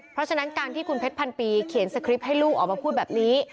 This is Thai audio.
เพราะฉะนั้นการที่คุณเพชรพันปีเขียนสคริปต์ให้ลูกออกมาพูดแบบนี้